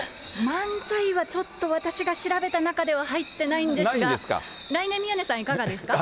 漫才はちょっと、私が調べた中では入ってないんですが、来年、宮根さんいかがですか。